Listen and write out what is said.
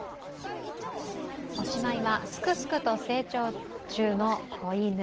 おしまいは、すくすくと成長中の子犬。